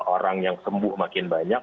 orang yang sembuh makin banyak